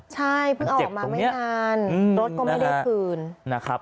ใช่เพิ่งออกมาไม่นานรถก็ไม่ได้คืนนะครับ